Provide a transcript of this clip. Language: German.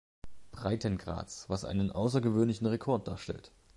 Breitengrads, was einen außergewöhnlichen Rekord darstellt.